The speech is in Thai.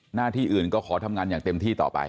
หน้าที่อื่นก็ขอทำงานอย่างเต็มที่ต่อไป